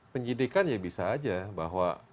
penyidikan ya bisa aja bahwa